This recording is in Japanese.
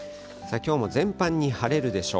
きょうも全般に晴れるでしょう。